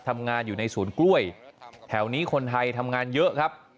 ทำงานอยู่ในศูนย์กล้วยแถวนี้คนไทยทำงานเยอะครับ